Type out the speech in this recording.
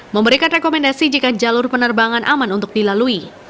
memberikan rekomendasi jika jalur penerbangan aman untuk dilalui